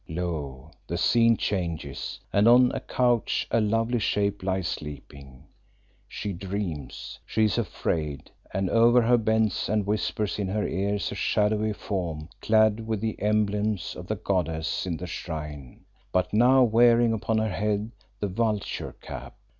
Lo! the scene changes, and on a couch a lovely shape lies sleeping. She dreams; she is afraid; and over her bends and whispers in her ear a shadowy form clad with the emblems of the goddess in the shrine, but now wearing upon her head the vulture cap.